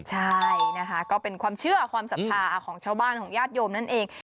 ใช่นะคะก็เป็นความเชื่อความศรัทธาของชาวบ้านของญาติโยมนั่นเอง